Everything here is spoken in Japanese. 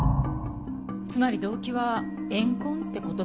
つまり動機は怨恨って事ですか？